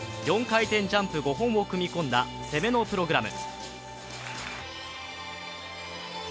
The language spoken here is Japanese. ４回転ジャンプ５本を組み込んだ攻めのプログラム。